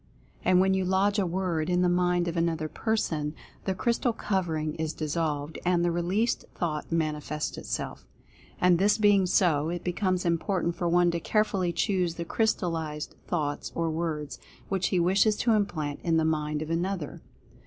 And when you lodge a Word in the mind of another person, the crystal covering is dissolved, and the released thought manifests itself. And, this being so, it becomes important for one to carefully choose the crystallized thoughts, or words, which he wishes to implant in the mind of another.